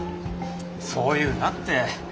そう言うなって！